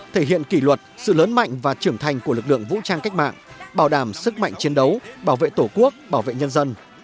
thể hiện kỷ luật sự lớn mạnh và trưởng thành của lực lượng vũ trang cách mạng bảo đảm sức mạnh chiến đấu bảo vệ tổ quốc bảo vệ nhân dân